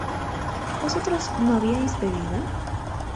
¿vosotros no habíais bebido?